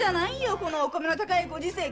このお米の高いご時世に！